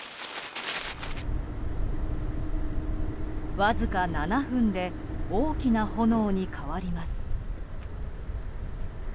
わずか７分で大きな炎に変わります。